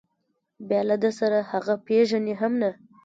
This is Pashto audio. بیا له ده سره هغه پېژني هم نه.